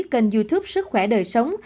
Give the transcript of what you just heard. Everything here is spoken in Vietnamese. kênh youtube sức khỏe đời sống